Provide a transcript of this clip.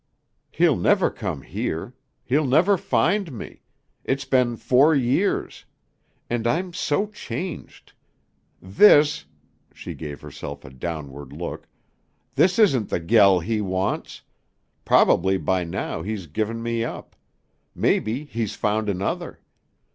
"He'll never come here. He'll never find me. It's been four years. And I'm so changed. This" she gave herself a downward look "this isn't the 'gel' he wants.... Probably by now he's given me up. Maybe he's found another.